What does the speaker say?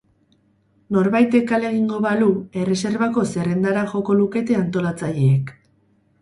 Norbaitek kale egingo balu, erreserbako zerrendara joko lukete antolatzaileek.